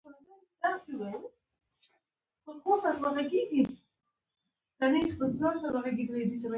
ازادي راډیو د ټولنیز بدلون په اړه په ژوره توګه بحثونه کړي.